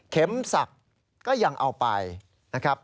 เข็มสักก็ยังเอาไปนะครับ